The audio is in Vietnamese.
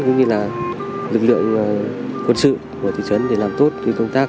cũng như là lực lượng quân sự của thị trấn để làm tốt công tác